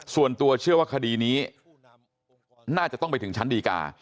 ส่วนตัวเชื่อว่าคดีนี้น่าจะต้องไปถึงชั้นดีกา